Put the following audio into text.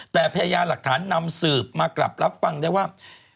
แต่พยานหลักฐานนำสืบมากลับรับฟังได้ว่า